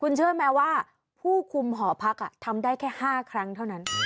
เชื่อไหมว่าผู้คุมหอพักทำได้แค่๕ครั้งเท่านั้น